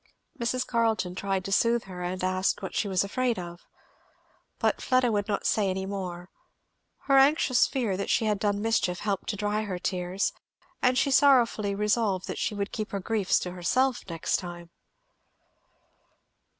Mrs. Carleton tried to soothe her and asked what she was afraid of. But Fleda would not say any more. Her anxious fear that she had done mischief helped to dry her tears, and she sorrowfully resolved she would keep her griefs to herself next time.